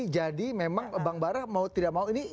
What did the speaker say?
jadi memang bang bara mau tidak mau ini